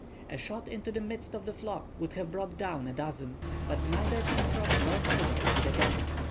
A shot into the midst of the flock would have brought down a dozen; but neither Pencroff nor Herbert had a gun.